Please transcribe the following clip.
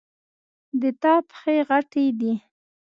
د تا پښې غټي دي